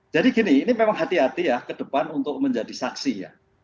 jadi gini ini memang hati hati ya ke depan untuk menjadi saksi ya